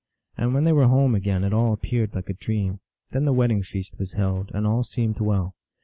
And when they were home again it all appeared like a dream. Then the wedding feast was held, and all seemed well.